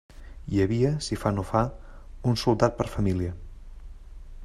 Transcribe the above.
Hi havia, si fa no fa, un soldat per família.